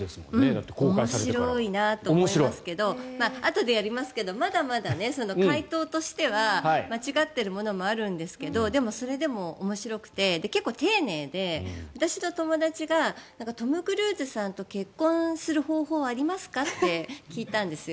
面白いなと思いますけどあとでやりますがまだまだ回答としては間違っているものもあるんですがそれでも面白くて結構丁寧で私の友達がトム・クルーズさんと結婚する方法はありますか？って聞いたんですよ。